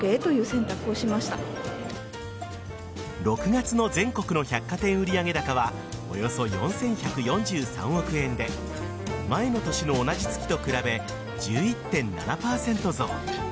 ６月の全国の百貨店売上高はおよそ４１４３億円で前の年の同じ月と比べ１１．７％増。